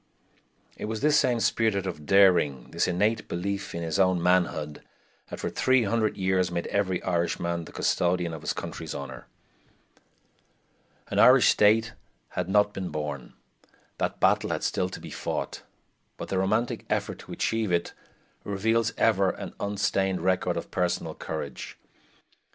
It was this same spirit of daring, this innate belief in his own manhood, that for three hundred years made every Irishman the custodian of his country's honor. An Irish state had not been born; that battle had still to be fought; but the romantic effort to achieve it reveals ever an unstained record of personal courage.